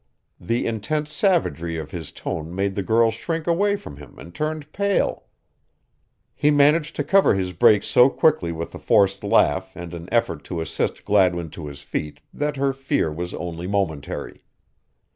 The intense savagery of his tone made the girl shrink away from him and turn pale. He managed to cover his break so quickly with a forced laugh and an effort to assist Gladwin to his feet that her fear was only momentary.